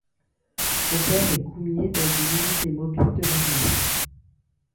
Son père est goumier dans une unité mobile de l'armée.